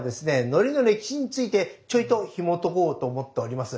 のりの歴史についてちょいとひもとこうと思っております。